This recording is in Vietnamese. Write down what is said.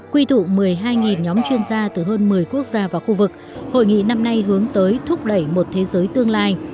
quy tụ một mươi hai nhóm chuyên gia từ hơn một mươi quốc gia và khu vực hội nghị năm nay hướng tới thúc đẩy một thế giới tương lai